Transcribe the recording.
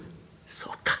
「そうか。